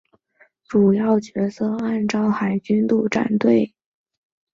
主要角色按照海军陆战队编制排列。